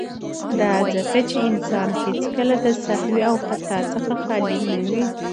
، دا ځکه چې انسان هيڅکله د سهو او خطا څخه خالي نه وي.